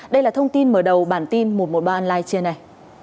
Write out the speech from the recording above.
đây là thông tin mở đầu bản tin một trăm một mươi ba online trưa này